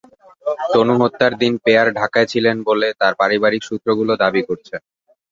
তনু হত্যার দিন পেয়ার ঢাকায় ছিলেন বলে তাঁর পারিবারিক সূত্রগুলো দাবি করছে।